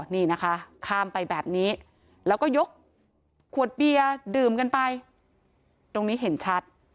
นี่นะคะข้ามไปแบบนี้แล้วก็ยกขวดเบียร์ดื่มกันไปตรงนี้เห็นชัด